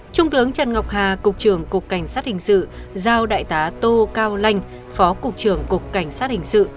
trung tướng trần ngọc hà cục trưởng cục cảnh sát hình sự giao đại tá tô cao lanh phó cục trưởng cục cảnh sát hình sự